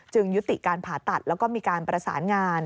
ยุติการผ่าตัดแล้วก็มีการประสานงาน